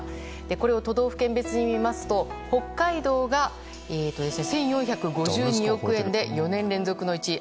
これを都道府県別に見ますと北海道が１４５２億円で４年連続の１位。